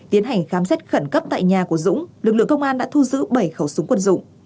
tiến hành khám xét khẩn cấp tại nhà của dũng lực lượng công an đã thu giữ bảy khẩu súng quân dụng